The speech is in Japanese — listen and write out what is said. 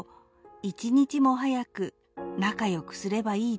「一日も早く仲良くすればいいと」